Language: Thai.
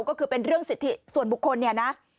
ก็คือเป็นเรื่องสิทธิส่วนบุคคลเนี่ยนะ